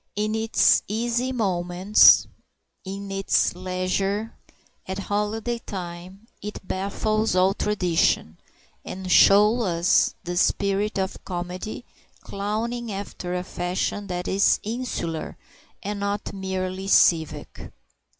In its easy moments, in its leisure, at holiday time, it baffles all tradition, and shows us the spirit of comedy clowning after a fashion that is insular and not merely civic.